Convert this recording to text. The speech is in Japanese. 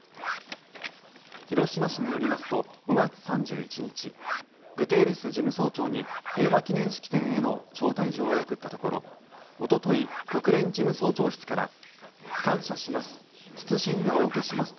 広島市によりますと５月３１日グテーレス事務総長に平和記念式典への招待状を送ったところおととい、国連事務総長室から感謝します